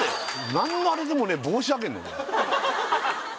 なんのあれでもねえ帽子あげんの？